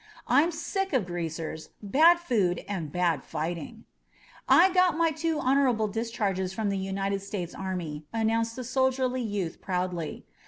Fm sick of greasers, bad food and bad fighting." "I got two honorable discharges from the United States army," announced the soldierly youth proudly.